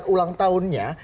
ada ulang tahunnya